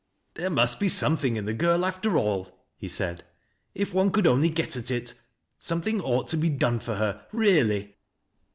"There must be something in the girl, after all," be said, " if one could only get at it. Something ought to bo done for her, really."